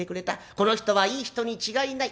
この人はいい人に違いない。